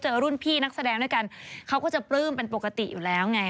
รุ่นพี่นักแสดงด้วยกันเขาก็จะปลื้มเป็นปกติอยู่แล้วไง